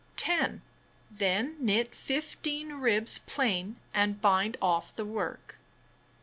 10. Then knit 15 ribs plain and bind off the work.